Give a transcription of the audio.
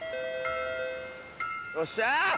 よっしゃ！